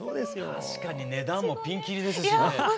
確かに値段もピンキリですしね